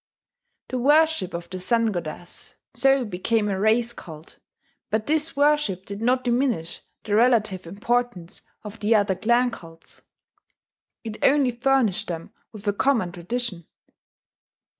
The worship of the Sun goddess so became a race cult; but this worship did not diminish the relative importance of the other clan cults, it only furnished them with a common tradition.